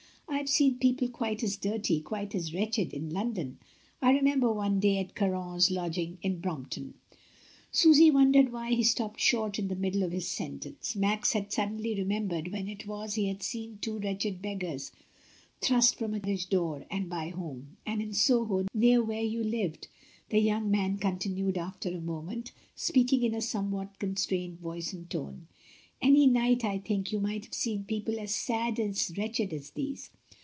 "I have seen people quite as dirty, quite as wretched in London. I remember one day at Caron's lodging in Bromp ton" ... Susy wondered why he stopped short in the middle of his sentence. Max had suddenly remem bered when it was he had seen two wretched beg gars thrust from a carriage door, and by whom. "And in Soho near where you lived," the young man continued after a moment, speaking in a somewhat constrained voice and tone. "Any night, I think, you might have seen people as sad and wretched as these.